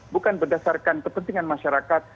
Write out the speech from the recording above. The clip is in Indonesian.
bukan berdasarkan kepentingan masyarakat